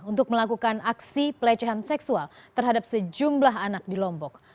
untuk melakukan aksi pelecehan seksual terhadap sejumlah anak di lombok